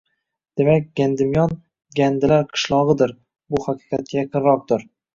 Demak, Gandimiyon “Gandilar qishlog‘i”dir. Bu haqiqatga yaqinroqdir.